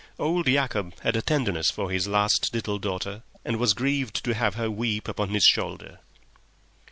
Old Yacob had a tenderness for his last little daughter, and was grieved to have her weep upon his shoulder.